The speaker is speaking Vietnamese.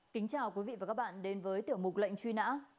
kính chào quý vị và các bạn đến với tiểu mục lệnh truy nã